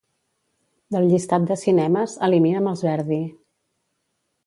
Del llistat de cinemes, elimina'm els Verdi.